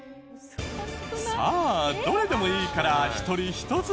さあどれでもいいから１人１つずつ実演。